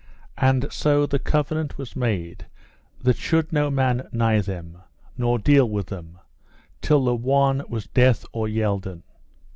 And so the covenant was made, there should no man nigh them, nor deal with them, till the one were dead or yelden.